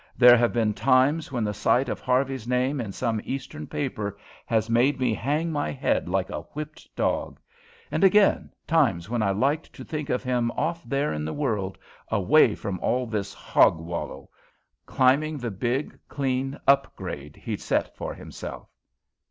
There have been times when the sight of Harvey's name in some Eastern paper has made me hang my head like a whipped dog; and, again, times when I liked to think of him off there in the world, away from all this hog wallow, climbing the big, clean up grade he'd set for himself.